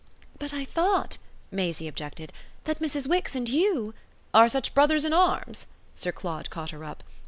"But I thought," Maisie objected, "that Mrs. Wix and you " "Are such brothers in arms?" Sir Claude caught her up.